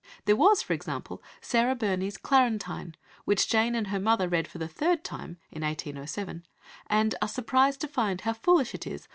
There was, for example, Sarah Burney's Clarentine, which Jane and her mother read for the third time (in 1807), and "are surprised to find how foolish it is